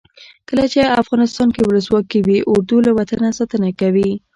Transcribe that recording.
کله چې افغانستان کې ولسواکي وي اردو له وطنه ساتنه کوي.